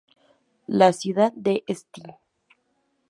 La ciudad de St.